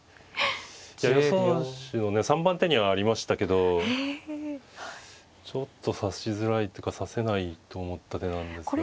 予想手のね３番手にはありましたけどちょっと指しづらいっていうか指せないと思った手なんですが。